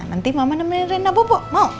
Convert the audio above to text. nanti mama nemenin rina bobo mau